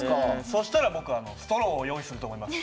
そしたら僕ストローを用意すると思います。